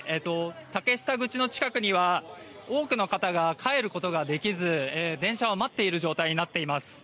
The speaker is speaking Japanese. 竹下口の近くには多くの方が帰ることができず、電車を待っている状態になっています。